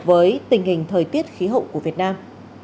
với tình hình thời tiết khí hậu của việt nam